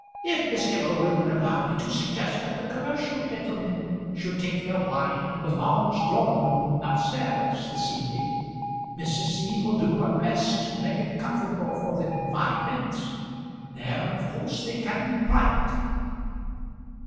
If Mr. Moulder would allow me to suggest that the commercial gentlemen should take their wine in the large drawing room up stairs this evening, Mrs. C. will do her best to make it comfortable for them in five minutes. There of course they can be private."